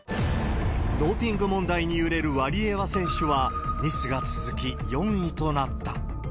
ドーピング問題に揺れるワリエワ選手は、ミスが続き４位となった。